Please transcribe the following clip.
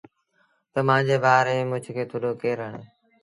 تا مآݩجي ڀآ ريٚ مڇ کي ٿڏو ڪير هڻي۔